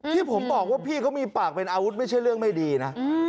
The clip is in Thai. ที่ผมบอกว่าพี่เขามีปากเป็นอาวุธไม่ใช่เรื่องไม่ดีนะ